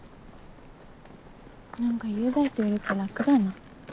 なんか雄大といると楽だな。